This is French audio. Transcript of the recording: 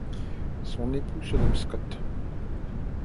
Son époux se nomme Scott.